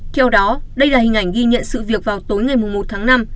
theo đó đây là hình ảnh ghi nhận sự việc vào tối ngày một tháng năm